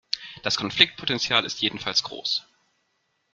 Das Konfliktpotenzial ist jedenfalls groß.